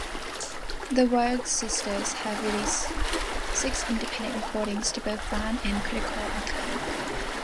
The Wyrd Sisters have released six independent recordings to both fan and critical acclaim.